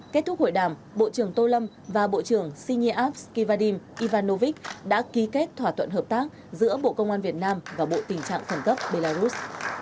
kết thúc hội đàm bộ trưởng tô lâm và bộ trưởng sineyav kivadin ivanovic đã ký kết thỏa thuận hợp tác giữa bộ công an việt nam và bộ tình trạng khẩn cấp belarus